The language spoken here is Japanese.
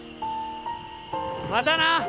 またな！